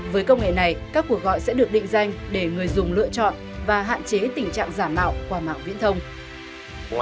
với công nghệ này các cuộc gọi sẽ được định danh để người dùng lựa chọn và hạn chế tình trạng giả mạo qua mạng viễn thông